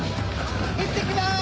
行ってきます！